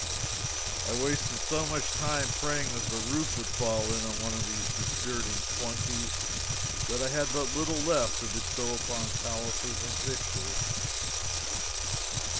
I wasted so much time praying that the roof would fall in on these dispiriting flunkies that I had but little left to bestow upon palace and pictures.